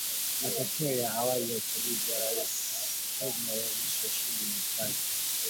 Matokeo ya awali ya uchaguzi wa rais Kenya yaonyesha ushindani ni mkali